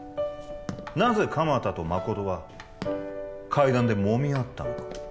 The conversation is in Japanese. なぜ鎌田と誠は階段でもみ合ったのか？